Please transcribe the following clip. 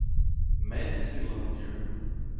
Medicilândia